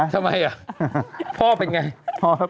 ทำไมพ่อเป็นอย่างไร